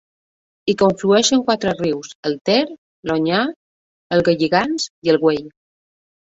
Hi conflueixen quatre rius: el Ter, l'Onyar, el Galligants i el Güell.